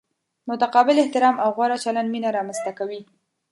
متقابل احترام او غوره چلند مینه را منځ ته کوي.